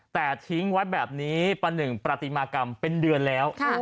แต่ทิ้งไว้แบบนี้ประหนึ่งประติมากรรมเป็นเดือนแล้ว